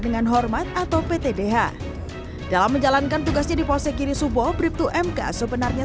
dengan hormat atau ptbh dalam menjalankan tugasnya di posisi kiri subo brito mk sebenarnya